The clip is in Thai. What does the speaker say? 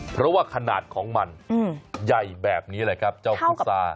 เพราะว่าขนาดของมันใหญ่แบบนี้แหละครับเจ้าพุษา